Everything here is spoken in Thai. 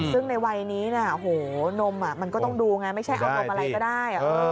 ซึ่งในวัยนี้นมมันก็ต้องดูไงไม่ใช่เอานมอะไรก็ได้